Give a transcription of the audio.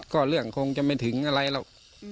ก็เรื่องคงจะไม่ถึงอะไรหรอก